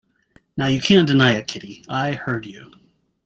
Now you can’t deny it, Kitty: I heard you!